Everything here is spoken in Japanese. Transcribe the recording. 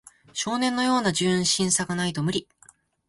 少年のような純真さがないと無理